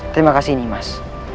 terima kasih ini mas